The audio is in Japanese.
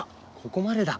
ここまでだ。